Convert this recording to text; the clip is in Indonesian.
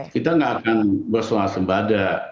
kita nggak akan berselah selah